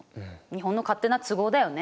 日本の勝手な都合だよね。